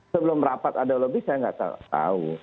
sebelum rapat ada lobby saya nggak tahu